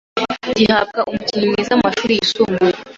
gihabwa umukinnyi mwiza mu mashuri yisumbuye